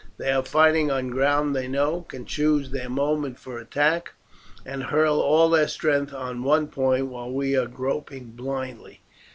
They are fighting on ground they know, can choose their moment for attack, and hurl all their strength on one point while we are groping blindly."